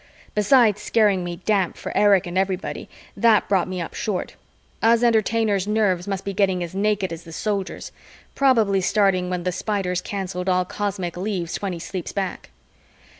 Besides scaring me damp for Erich and everybody, that brought me up short: us Entertainers' nerves must be getting as naked as the Soldiers', probably starting when the Spiders canceled all cosmic leaves twenty sleeps back.